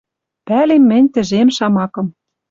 Пӓлем мӹнь тӹжем шамакым